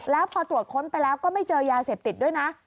แล้วพอตรวจค้นไปแล้วก็ไม่เจอยาเสพติดด้วยนะ